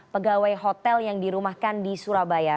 pegawai hotel yang dirumahkan di surabaya